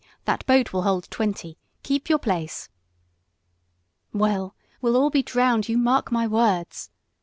That boat will hold twenty. Keep your place." "Well, we'll all be drowned, you mark my words!"